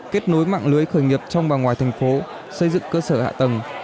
kết nối mạng lưới khởi nghiệp trong và ngoài thành phố xây dựng cơ sở hạ tầng